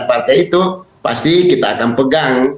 ketua bapak pertai itu pasti kita akan pegang